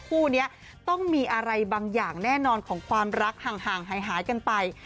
คู่นี้ต้องมีอะไรบางอย่างแน่นอนของความรักห่างหายกันไป